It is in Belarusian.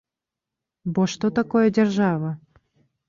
Бо што такое дзяржава?